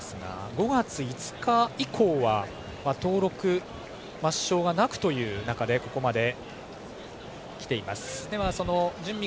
５月５日以降は登録末消はなくという中でここまで来ています。